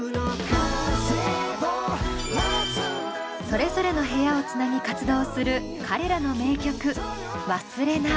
それぞれの部屋をつなぎ活動する彼らの名曲「勿忘」。